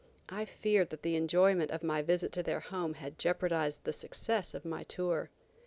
I feared that the enjoyment of my visit to their home had jeopardized the success of my tour.